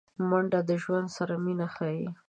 منډه د ژوند سره مینه ښيي